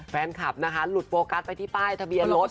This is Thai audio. แฟนคลับลุดโปลกัสไปที่ป้ายทะเบียนรถค่ะ